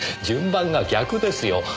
順番が逆ですよ。